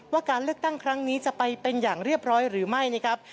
ว่าการเลือกตั้งครั้งนี้จะไปเป็นอย่างเรียบร้อยหรือไม่นะครับ